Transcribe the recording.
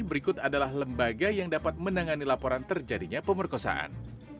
berikut adalah lembaga yang dapat menangani laporan terjadinya pemerkosaan